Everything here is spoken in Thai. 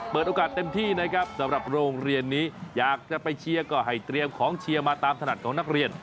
เปิดโอกาสเต็มที่นะครับสำหรับโรงเรียนนี้อยากจะไปเชียร์ก็ให้เตรียมของเชียร์มาตามถนัดของนักเรียน